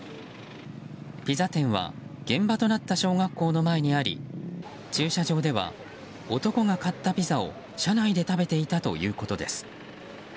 ピザ店は現場となった小学校の前にあり駐車場では男が、買ったピザを車内で食べていたということです。